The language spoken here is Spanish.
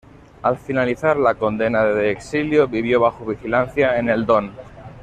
Al finalizar la condena de exilio vivió bajo vigilancia en el Don.